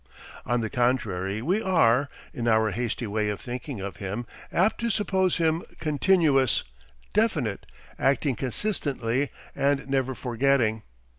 On the contrary we are, in our hasty way of thinking of him, apt to suppose him continuous, definite, acting consistently and never forgetting.